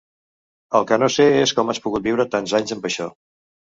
El que no sé és com has pogut viure tants anys amb això.